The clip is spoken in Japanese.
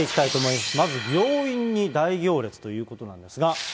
まず病院に大行列ということなんですが。